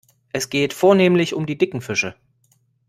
Es geht vornehmlich um die dicken Fische.